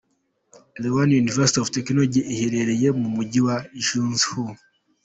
Liaoning University of Technology iherereye mu Mujyi wa Jinzhou.